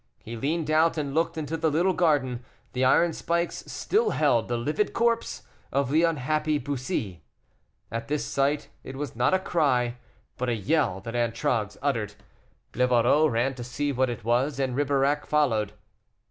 He leaned out and looked into the little garden. The iron spikes still held the livid corpse of the unhappy Bussy. At this sight, it was not a cry, but a yell, that Antragues uttered. Livarot ran to see what it was, and Ribeirac followed.